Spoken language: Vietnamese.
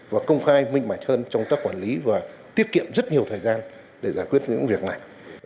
và công khai minh bạch hơn trong công tác quản lý và tiết kiệm rất nhiều thời gian để giải quyết những việc này